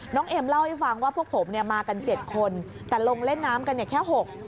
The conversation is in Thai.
น้องเอ็มเล่าให้ฟังว่าพวกผมมากัน๗คนแต่ลงเล่นน้ำกันแค่๖